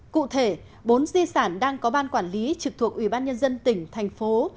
cụ thể bốn di sản đang có ban quản lý trực thuộc ủy ban nhân dân tỉnh thành phố